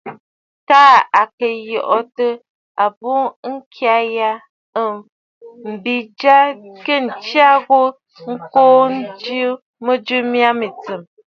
Taà à kɨ̀ yòtə̂ àbùʼu ŋkya ya mə mbi jyâ kɨ̀ tsya ghu ŋkuu njɨ mɨjɨ mya aà.